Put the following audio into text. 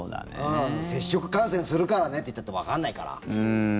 接触感染するからねって言ったってわかんないから。